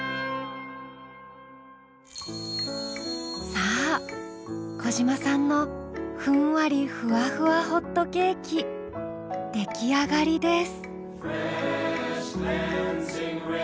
さあ小嶋さんのふんわりふわふわホットケーキ出来上がりです。